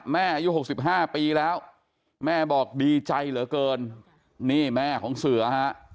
อายุ๖๕ปีแล้วแม่บอกดีใจเหลือเกินนี่แม่ของเสือฮะ